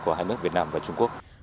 của hai nước việt nam và trung quốc